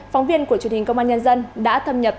phóng viên của truyền hình công an nhân dân đã thâm nhập